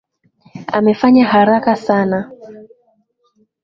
Amefanya haraka sana.